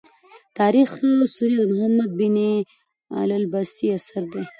تاریخ سوري د محمد بن علي البستي اثر دﺉ.